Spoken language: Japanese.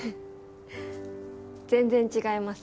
全然違います。